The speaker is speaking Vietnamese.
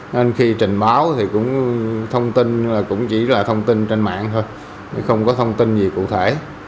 nên khi trình báo thì cũng chỉ là thông tin trên mạng thôi không có thông tin gì cụ thể